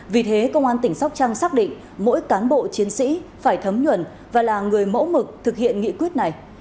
vì thế công an tỉnh sóc trăng xác định mỗi cán bộ chiến sĩ phải thấm nhuần và là người mẫu mực thực hiện nghị quyết này